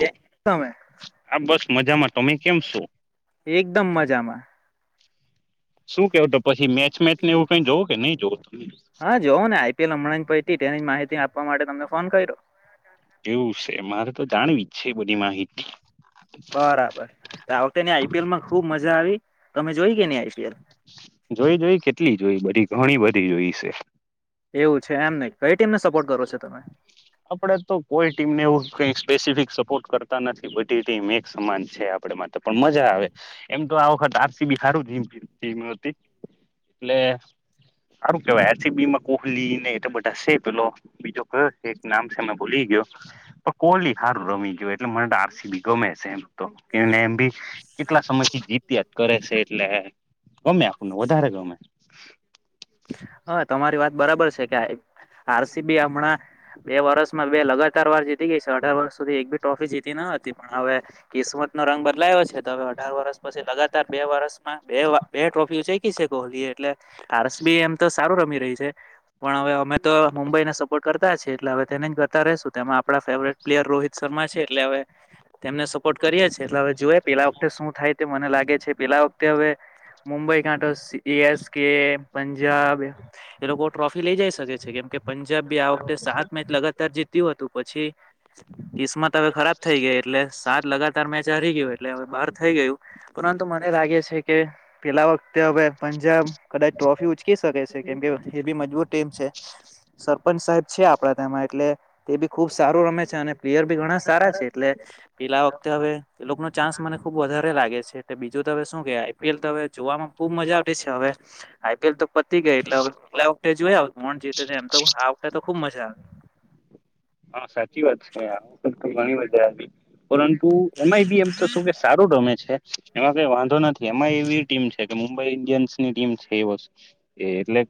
જે તમે આ બસ મજામાં તમે કેમ છો [inaudible] એકદમ મજામાં. શું કેવ તો પછી મેચ મેચને એવું કઈ જોવું કે નહી જોવો. હા જોવ ને આઈપીએલ હમણાં પની માહિતી આપવા માટે તમને ફોન કર્યો. કેવું છે મારે તો જાણવી જ છે બધી માહિતી. બરાબર આવતા ની આઈપીએલ માં ખુબ મજા આવી તમે જોઈ કે ની આઈપીએલ. જોઈ જોઈ કેટલી જોઈ બધી ઘણી બધી જોઈ છે. એવું છે એમ નહી કઈ ટીમને સપોર્ટ કરો છો તમે? આપડે તો કોઈ ટીમને એવું કઈ સ્પેસિફિક સપોર્ટ કરતા નથી બધી ટીમ એક સમાન છે આપ પડે પણે માટે પણ મજા આવે એમ તો આ વખત આર સી બી હારુ જીરીક ટીમ હતી. ટલે સારું કેવાય આર સી બી માં કોહલી ને એતો બધા છે પેલો બીજો કયો નામ છે મે ભૂલી ગયો પણ કોહલી હારું રમી ગયું એટલે મને આર સી બી ગમે છે એમ તો. એને એમ ભી કેટલા સમય થી જીત્યા કરે છે એટલે. ગમે આપણનું વધારે ગમે. હા તમારી વાત બરાબર છે કે આર સી બી હમણાં બે વર્ષમાં બે લગાતાર વાર જીતી ગઈ છે અઢાર વર્ષ સુધી એક બી ટ્રોફી જીતી ન હતી પણ હવે કિસ્મત નો રંગ બદલાયો. છે ત હવે અઢાર વર્ષ પછી લગાતાર બે વર્ષમાં બે વા બે ટ્રોફી ઉંચયકી છે કોહલીએ એટલે આરસ બી એમ તો સારું રમી રહી છે. પણ હવે અમે તો મુંબઈને સપોર્ટ કરતા છે એટલે હવે તેને જ કરતા રહેશું તેમાં આપડા ફેવરેટ પ્લેયર રોહિત શ એટલે હવે તેમને સપોર્ટ કરીએ એટલે હવે જો વખતે શું થાય તે મને લાગે છે પેલા વખતે હવે મુંબઈ કાંઠોસ એ એસ કે પંજાબ એ લોકો ટ્રોફી લઇ જઈ શકે છે કેમ કે પંજાબ બી આ વખતે સાત મેચ લગાતાર જીત્યું હતું પછી કિસ્મત હવે ખરાબ થઈ ગયા એટલે સાત લગાતાર મેચ હારી ગયયોટલે એટલે હવે બહાર થઈ ગયું. પરંતુ મને લાગે છે કે પેલા વખતે હવે પંજાબ કદાચ ટ્રોફી ઉચકી શકે છે કેમ કે એ બી મજબૂર છે સરપંચ સાહેબ છે આપડા તેમાં એટલે તે બી ખુબ સારું રમે છે અને પ્લેયર બી ઘણા સારા છે એટલે પેલા વખતે હવે ચાસ મને ખબ વધ લાગે છે એલે બીજું ત શું કે આઈપીએલ તો હ જોવામાં બુબ મજા છે. હવે તો પતી ગઈ એટલે હવે પલા વખતે જોઈ જીતે એમ તો આ વખતે ખૂબ મજા હા સાચી વાત છેઈ ઘણી વે પરંતુ એમાંય બી એમ તો શું કે સારું રમે છે એમાં કઈ વાંધો નથી એમાં એવી ટીમ છે. મુંબઈ ઈન્ડિયન્સ ની ટીમ છે એ વર્ષ એ એટલે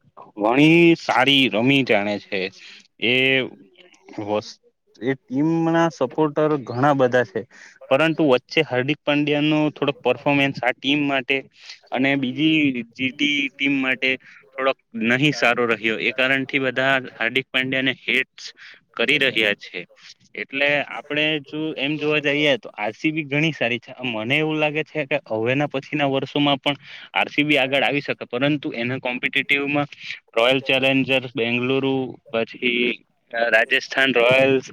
ઘણી સારી રમી જાણે છે એ વસ્ એ ટીમ ના સપોર્ટર ઘણા બધા છે. પરંતુ વચ્ચે હાર્દિક પંડ્યા નો થોડક પરફોમેન્સ આ ટીમ માટે અને બીજી જીટી બીજી ટીમ માટે થોડોક થોડક નથી નહી સારો રહ્યો રહેશે એ કારણ થી બધા હાર્દિક પાંડ્યાને કે હેટસ રચના ધીરે કરી ધીરે રહ્યા છે. એટલે આપડે જો એમ જોવા જઈએ તો આરસી બી ઘણી સારી છે મને એવું લાગે છે. કે હવેના પછી ના વર્ષોમાં પણ આરસીબી આગળ આવી શકે પરંતુ એના કો મ્પિટીટીવ માંરોયલ કલ્ચર અને ચેલેન્જર્સ બેંગલુરુ પછી ઘણી રાજસ્થાન એવી બધી રોયલસ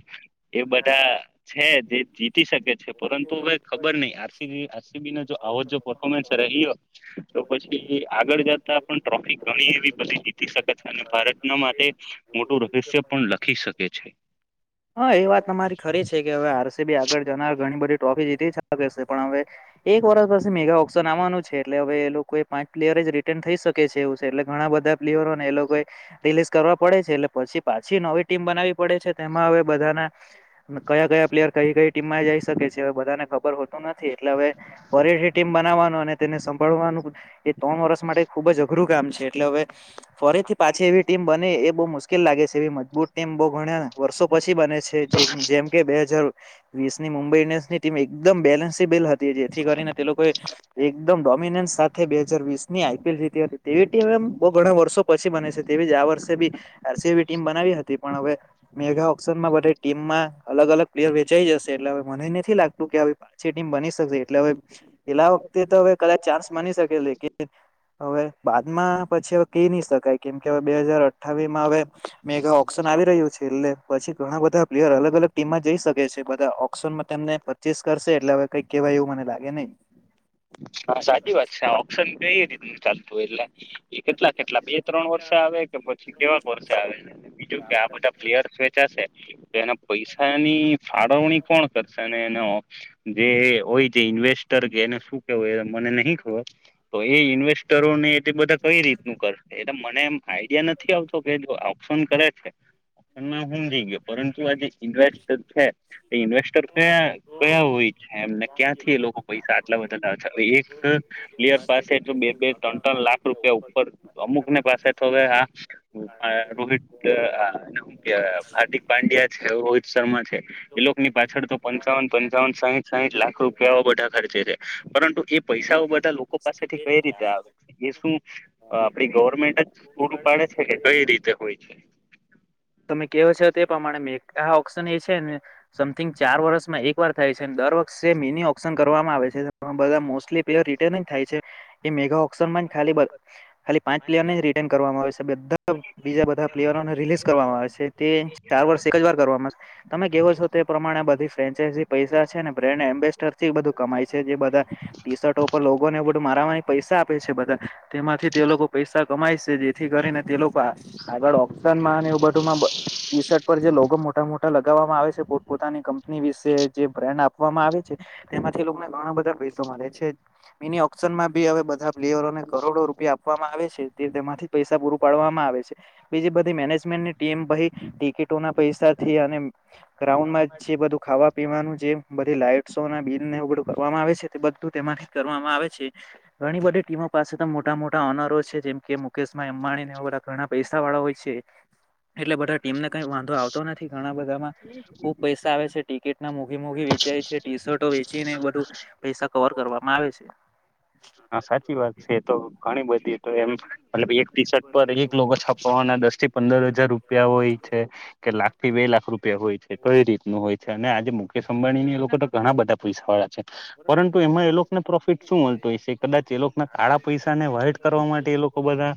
એ બધા છે જે જીતી શકે છે પરંતુ હવે ખબર નહ આરસી આરસીબીને જો આવો જો બાળકો પર્ફોમન્સ રહી્યો તો પછી આગળ જતા પણ ટ્રોફી ગણી એવી પછી જીતી જીતી શકે છે અને ભારતના માટે મોટું રહસ્ય પણ લખી શકે છે હા એ વાત તમારી ખરી છે કે હવે આરસી બી આગળ જનાર ઘણી બધી ટ્રોફી જીતીલ કરશે પણ હવે એક વર્ષ પછી મેગા ઓપ્શન આવવાનું છે એટલે હવે એ લોકો પાંચ પ્લેયર [unintelligible] પડે છે એટલે પછી પાછી નવી ટીમ બનાવી પડે છે તેમાં હવે બધાના કયા કયા પ્લેયર કઈ કઈ ટીમમાં જઈ શકે છે હવે બધાને ખબર હોતું નથી એટલે હવે ફરી ટીમ બનાવવાનું અને તેને સાભળવાનો એ ત્રણ વર્ષ માટે ખુબ જ અઘરું કામ છે. એટલે હવે ફરીથી પાછી એવી ટીમ બને એ બહુ મુશ્કેલ લાગે છે એવી મજબૂત ટીમ બહુ ગણ્યા ને વર્ષો પછી બને છે જે જેમ કે બે હજાર વીસ ની મુંબઈ ઇન્ડિયન્સ ની ટીમ એકદમ બેલેન્સીબલ હતી જેથી કરીને તે લોકોએ એકદમ ડોમિનન્સ સાથે બે હજાર વીસ ની આઈપીએલ જીતી હતી તેવી ટી બઉ ઘણા વર્ષો પછી બને છે. તેવીજ આ વર્ષે બી આરસી ટીમ બનાવી હતી પણ હવે મેગા ઓક્શનમાં બ ટીમમાં અલગ અલગ પ્લેયર વેચાઈ જશે એટલે હવે મને નથી લાગતું કે ટીમ બની શકશે એટલે હવે પેલા વખતે તો હવે કદાચ ચાન્સ માની શકે છે. હવે બાદમાં પછી હવે કહી નહી શકાય કેમ કે હવે બે હાજર અઠાવી માં હવે મેગા ઓપ્શન આવી રહ્યું છે એટલે પછી ઘણા બધા પ્લેયર અલગ અલગ ટીમમાં જઈ શકે છે. બધા ઓપશનમાંને પરચેસ કરશે એટલે હવે કઈ કેવાય એવું મને લાગે નહી. હા સાચી વાત છે ઓપ્શન કરીયુ ચાલતું હોય એટલે. કેટલા કેટલા બે ત્રણ વર્ષે આવે કે પછી કેવાક વર્ષે આવે બીજું કે આ બધા પ્લેયર્સ વેચાશે. એના પૈસાની ફાળવણી કોણ કરશે અને એનો જે હોય છે ઇન્વેસ્ટર કે એને શું કેવું મને નહી ખબર તો એ ઇન્વેસ્ટરોને તે બધા કઈ રીતનું કરશે એ તો મને એમ આઈડિયા નથી આવતો કે ઓપ્શન કરે છે. ઓપ્શનમાં હું સમજી ગયો પરંતુ આજે ઇન્વેસ્ટર છે એ ઇન્વેસ્ટર કયા કયા હોય એમને ક્યાંથી એ લોકો કોઈ પૈસા સાથે આટલા બધ હોય તો પછી અચ્છા એક કોઈ પ્લેયર પાસે જો બે બે નો ત્રણ સર ત્રણ લાગે લાખ છે રૂપિયા ઉપર અમુક ની પાસે તો હવે આ અ, આહ એવી જ, રોહિત અહ અ, આને હું કે અહ હાર્દિક પાંડ્યા છે રોહિત શર્મા છે એ જોગની લોકો ની પાછળનો પાછળ તો પંચાવન બધા પંચાવન સાહીઠ સાહીઠ લાખ રૂપિયા બધા ખર્ચે છે. પરંતુ એ પૈસાઓ બધા લોકો પાસેથી કઈ રીતે આવે છે? એ શું અ, બી આપડી ગવર્મેન્ટ જ પૂરું પાડે છે કે કઈ રીતે હોય છે? તમે કેહો છો તે પ્રમાણે મે આ ઓક્શન એ છે ને સમથિંગ ચાર વર્ષ માં એક વાર થાય છે ને દર વખષે મિની ઓ શન કરવામાં આવે છે. [inaudible] બધા પલેર રિટર્ન થાય છે એ મેગા ઑક્શન ખાલી બ ખાલી પાંચ પ્લેયર ને જ રિટન કરવામાં આવે છે બધા બીજા બધા પ્લેયરોને રિલીઝ કરવામાં આવે છે. છે તે સ્ટાર વર્ષ એક જ વાર કરવાવામાં તમે કેવો છો તે પ્રમાણે બધી ફ્રેન્ચાઈઝ પૈસા છે ને બ્રેન્ડ એમ્બેસેડર થી બધું કમાય છે જે બધા ટી શર્ટ ઉપર લોકોને બધું મારા માય પૈસા આપે છે બધા તેમાંથી તે લોકો પૈસા કમાય છે જેથી કરીને તે લોકો આ-આગળ ઓકસનમાં એવ બધુંમાં બ ટી શર્ટ પર જે લોગો મોટા મોટા લગાવવામાં આવે છે પોતપ પોતાની કંપની વિશે જે બ્રાન્ડ આપ પવામાં આવે છે તેમાંથી લોકોને ઘણા બધા પૈસો મળે છે. મિની ઓશનમાંબી હવે બધા પ્લેયર કરોડો રૂપિયા આપવામાં આવે છે. તે-તેમાંથી પૈસા પૂરુ પાડવામાં આવે છે. બીજી બધી મેનેજમેન્ટની ટીમ પહી ટિકિટ ટોના પૈસાથી અને ગ્રાઉન્માં જે બધું ખાવા પીવાનું જે બધી લાઈટોસે ને બિલ ને એવું બધું કરવામાં આવે છે, તે બધું તેમાંથી કરવામાં આવે છે. ઘણી બધી ટીમો પાસે તો મોટા મોટા ઓનરો છે જેમ કે મુકેશભાઈ અંબાણી બધા ઘણા પૈસા વાળા હોય છે. એટલે બધા ટીમને કઈ વાંધો આવતો નથી ઘણા બધામાં ખુબ પૈસા આવે છે ટિકિટ ના મુ ઘી મોઘી વેચાય છે ટી શર્ટો વેચી ને બધું પૈસા કવર કરવામાં આવે છે. હા, સાચી વાત છે તો ઘણી બધી તો એમ પરંતુ મતલબ એક ટી શર્ટ પર એક લોકો છાપવાના દસ થી પંદર હજાર રૂપિયા હોય છે કે લાગતી વેલ લાખ રુપિયા હોય એ કઈ રીતનું હોય છે અને આજે મુકેશ અંબાણીની એ લોકો તો ઘણા બધા પૈસા વાળા છે. પરંતુ એમાં એ લોક ના પ્રોફિટ શું હો તોએ છે કદાચ એ લોકો ના કાળા પૈસા ને વહાઇટ કરવા માટે એ લોકો બધા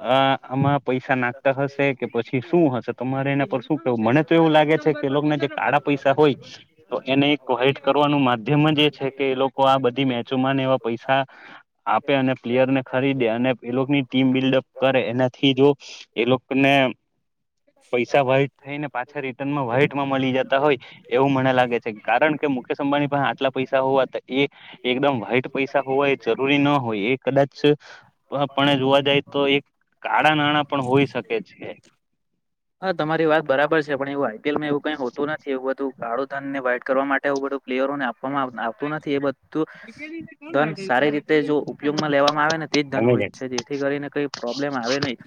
આ આમ આમાં શું પૈસા હતું નાખતા હશે કે પછી શું હશે તમારે એને બહુ એના પર શું કહેવું? મને તો એવું લાગે છે કે લોકોને જે કાળા પૈસા હોય તો એને એક કાઈટ કરવાનું માધ્યમ જ એ છે કે એ લોકો આ બધી મેચોમાંને એવા પૈસા આપે અને પ્લેયર જીવનને ને સારી ખરીદે રીતે અને આનંદ એ લોકોની ટીમ બિલ્ડઅપ કરે એનાથી જો એ લોક ને પણ પૈસા વાઈટ થઈ ને પાછા રિટર્નમાં વાઈટમાં મળી જતા હોય એવું મને લાગે છે. કારણ કે મુકેશ અંબાનીસે હાટલા પૈસા હોવા તો એ એકદમ વ્હાઈટ પૈસા હોવાય એ જરૂરી ના હોય. એ કદાચ અહ પણ જોવા જાય તો એક આ નાણાં નાણાં પણ હોઈ શકે છે. હા, તમારી વાત બરાબર છે પણ એવું આઈ પી એલ માં એવું કઈ હોતું નથી એવું બધું કાળું ધન ને વાઇટ કરવા માટેવું આવ બધું પ્લેયરોને આપ પવામા આવતું નથી એ બધું ધન સારી રીતે જો ઉપયોગમાં લેવામાં આવે ને તે જ ધન અમે હોય હોય છે જેથી કરીને કઈ પ્રોબ્લેમ આવે નહીં.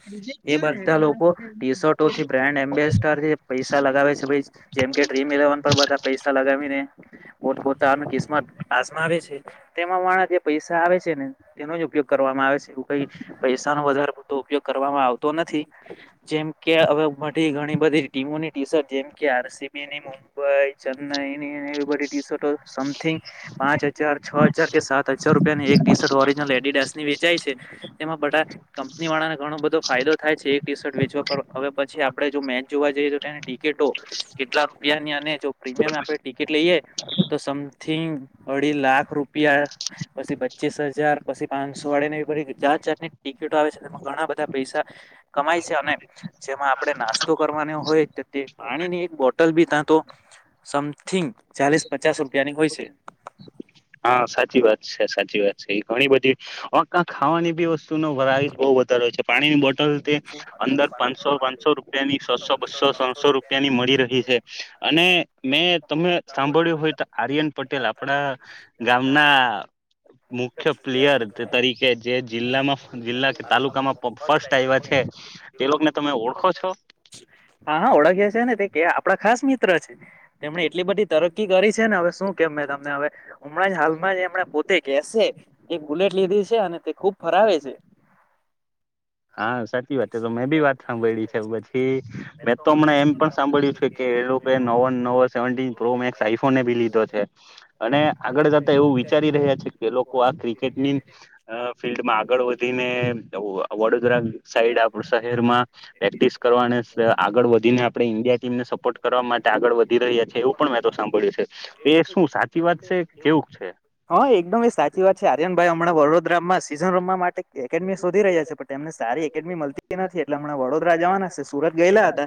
એ બધા લોકો ટી શર્ટ તો થી બ્રાન્ડ એમ્બેસેડર થી પૈસા લગાવે છે પસી જેમ કે ડ્રીમ ઇલેવન પર બધા પૈસા લગાવીને પોતપોતાની કિસ્મત આસમાવે છે. તેમાં વાળા જે પૈસા આવે છે ને એનો જ ઉપયોગ કરવામાં આવે છે એવું કઈ પૈસા નો વધારે પુરતો ઉપયોગ કર વામાં આવતુ નથી જેમ કે હવે બધી ઘણી બધી ટીમોની ટી શર્ટ જેમ કે આર સી બી ની, મુંબઈ, ચેન્નઈ કે ને એવી બધી ટી શર્ટ સમથિંગ પાંચ હજાર, છો હજાર કે સાત હજાર રૂપિયાની એક ટી શર્ટ ઓરીજ નલ લેડીડાસ ની વેચાય છે એમાં બધા કંપની વાળાને ઘણો બધો ફાયદો થાય છે, એક ટી શર્ટ વેચવા પર હવે, પછી આપડે જો મેચ જોવા જઈએ, તો તેની ટિકિટો કેટલા રૂપિયાની અને જો પ્રીમિયમ આપણે ટિકિટ લઈએ તો સમથિંગ અઢી લાખ રૂપિયા, પછી પચીસ હજાર, પછી પાંચસો વાળી ની જાત જાતની ટિકિટો આવે છે, તેમાં ઘણા બધા પૈસા કમાય છે, અને જેમાં આપડણે નાસ્તો કરવાનો હોય, તો તે પાણી ની એક બોટલ બી ત્યાં તો સમ હા, સાચી વાત છે, સાચી વાત છે, ઘણી બધી ખાવાની બી વસ્તુ ન વરા બહ વધારે છે, પાણીની બોટલ તે અંદર પાંચસો પાંચસો રૂપિયાની, છસો બસો, ત્રણસો, રૂપિયાની મળી રહી છે. અને મેં, તમે સાંભળ્યું હોય, તો આર્યન પટેલ આપણા ગામના ગામના મુખ્ય પ્લેયર, તરીકે જે જિલ્લામાં જિલ્લા તાલુકામાં ફર્સ્ટ આવ હા, હા ઓળખયા છેને, તે આપડા ખાસ મિત તે જ તેમણે એટલી બધી તરકી કરી છેને, હવે, શું કેમ મે તમને હવે હમણાં જ, હાલમાં જ હમણાં, પોતે કેસે એક બુલેટ લીધી છે, અને તે ખુબ ફરાવે છે. હા, સાચી વાત તો મેં બી વાત સાંભળી છે, પછી મેં તો હમણાં એમ પણ સાંભળ્યું છે, કે નવો ન નવો સેવનટી પ્રો મેક્સ આઈફોનને ભી લીધો છે, અને આગળ જતા એવું વિચારી રહ્યા છે, કે આ છે. ક્રિકેટની ફિલ્ડમાં આગળ વધીને અ વ સાઈડ આપ શહેરમાં પ્રેક્ટિસ કરવા અને આગળ વધીને, આપણે ઇન્ડિયા ટીમને સપોર્ટ કરવા માટે આગળ વધી રહ્યા છે, એવું પણ મેં તો સાંભળ્યું છે, તો એ શું સાચી વાત છે, કેવું છે હા, એકદમ એ સાચી વાત છે, આર્યન ભાઈ હમણા વડોદરામાં સિઝન રમવા માટે એકેડમી શોધી રહ્યા છે, પણ એમને સારી મળ નથી, એટલેમણા વડોદરા જવાના છ, સુરત ગયેલા હતા,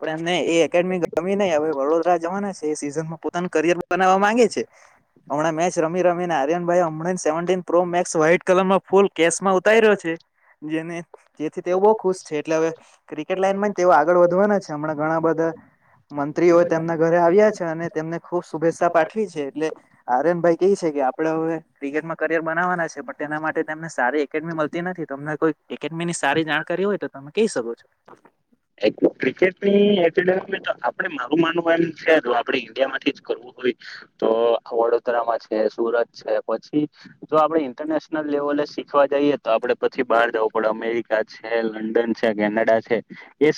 પણ એમને એ એકેડમી ગમી નહી, હવે વડોદરા જવાના છે, એ સીઝનમાં પોતાના કરિયર બનાવવા માંગે છે, હમણાં મેચ રમી રમ આર્યન ભાઈ, હમણાં seventeen pro max white colour માં ફૂલ કેમાં ઉતારી રહ્યો છે. જેને તેથી તેઓ બહુ ખુશ છે, એટલે હવે ક્રિકેટ લાઈન તેઓ આગળ વધવાના છે, હમણાં ઘણા બધા મંત્રીઓ તેમના ઘરે આવ્યા છે, અને તેમને ખુબ શુભેચ્છા પાઠવી છે, એટલે આરેન ભાઈ કે છે આપડે હવે, ક્રિકેટમાં કરિયર બનાવવાના છે, પણ તેના માટે તેમને સારી એકેડમી મળતી નથી. તમને કોઈ એકડમી ની સારી જાણકારી હોય, તો તમે કહી શકો છો. ક્રિકેટનીડેમ આપડે મારું માનવું એમ છે, આપણે ઈન્ડિયા માંથી જ કરવું તો વડોદરામાં છે, સુરત છે. પછી જો આપડે ઇન્ટરનેશનલ લેવલ આપ શીખવા જઈએ, તો આપડે પછી બહાર જવું પડે અમેરિકા છે, લંડન છે, કેનેડા છે.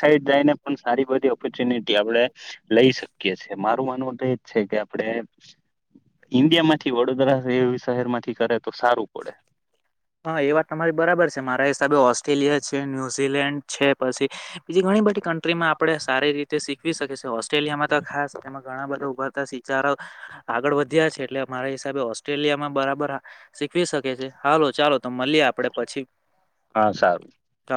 સાઈડ જઈને, પણ સારી બધી ઓપોર્ચ્યુનિટી આપડે લઈ શકીએ છીએ, મારું માનવું, તો એજ છે કે આપણે ઇન્ડિયા માંથી વડોદરા, એવી શહેર માંથી કરે, તો સારું પડે. હા, એ વાત તમારી બરાબર છે. મારા હિસાબે ઓસ્ટ્રેલિયા છે. ન્યુઝીલેન્ડ છે, પછી બીજી ઘણી બધી કન્ટ મા આપણે સારી રીતે શીખવી શકીએએ ઓસ્ટ્રેલિયામા, તો ખાસ તેમાં ઘણા બધા ઉભ સિચારો આગળ વધ્યા છે. એટલે અમારા હિસાબે ઓસ્ટ્રેલિયામા, બરાબર શીખવી શકે છે. હાલો ચાલો, તો મળીએ આપડે પછી. હા, સારું. હ.